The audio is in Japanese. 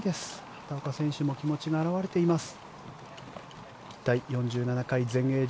畑岡選手も気持ちが表れています。